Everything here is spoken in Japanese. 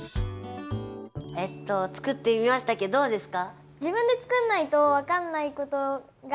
えっと作ってみましたけどどうですか？